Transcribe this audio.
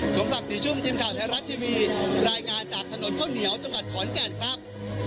สมศักดิ์ศรีชุ่มทีมข่าวไทยรัฐทีวีรายงานจากถนนข้าวเหนียวจังหวัดขอนแก่นครับ